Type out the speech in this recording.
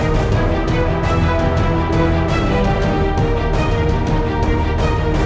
bagaimana kalau pengaruh selesai saja ya